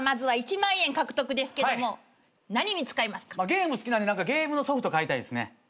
ゲーム好きなんでゲームのソフト買いたいですね。